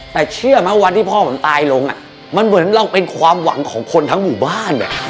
แต่เชื่อไหมวันที่พ่อผมตายลงมันเหมือนเราเป็นความหวังของคนทั้งหมู่บ้าน